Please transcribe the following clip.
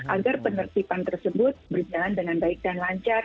agar penertiban tersebut berjalan dengan baik dan lancar